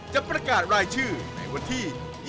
จะประกาศรายชื่อในวันที่๒๘พฤศจิกายนนี้